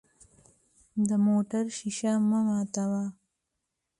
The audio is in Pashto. د موټر شیشه مه ماتوه.